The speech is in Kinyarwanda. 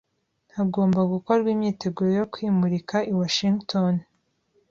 Hagomba gukorwa imyiteguro yo kwimukira i Washington.